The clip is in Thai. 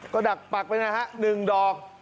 ก็ดักปักไปนะฮะ๑ดอก